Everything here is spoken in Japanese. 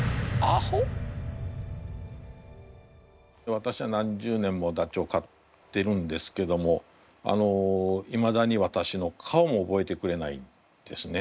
私は何十年もダチョウ飼ってるんですけどもいまだに私の顔も覚えてくれないんですね。